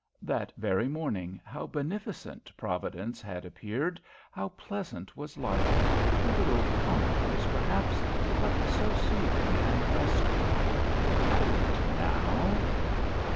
That very morning how beneficent Providence had appeared, how pleasant was life! a little commonplace, perhaps, but so soothing and restful, And now!